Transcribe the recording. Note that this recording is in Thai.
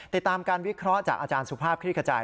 ติดตามการวิเคราะห์จากอาจารย์สุภาพคลิกกระจาย